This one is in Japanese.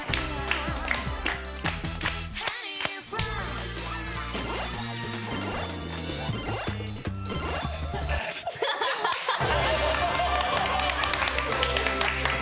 アハハハ！